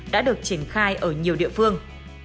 đã được triển khai ở nhiều địa phương